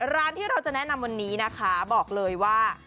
ร้านที่เราจะแนะนำวันนี้นะคะบอกเลยว่า